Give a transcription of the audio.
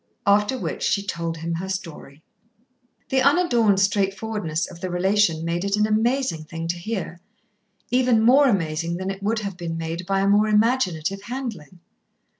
After which she told him her story. The unadorned straightforwardness of the relation made it an amazing thing to hear, even more amazing than it would have been made by a more imaginative handling.